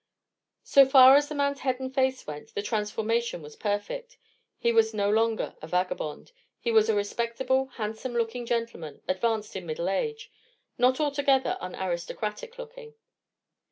So far as the man's head and face went, the transformation was perfect. He was no longer a vagabond. He was a respectable, handsome looking gentleman, advanced in middle age. Not altogether unaristocratic looking.